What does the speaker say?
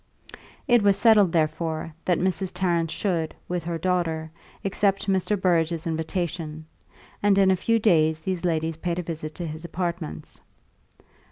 It was settled, therefore, that Mrs. Tarrant should, with her daughter, accept Mr. Burrage's invitation; and in a few days these ladies paid a visit to his apartments.